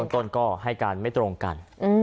ต้นก็ให้การไม่ตรงกัน